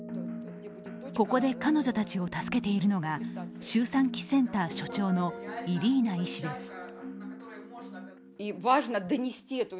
ここで彼女たちを助けているのが周産期センター所長のイリーナ医師です。